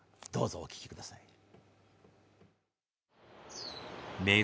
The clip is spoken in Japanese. どうぞお聞きください。